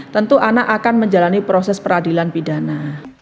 tentu anak akan menjalani proses peradilan pidana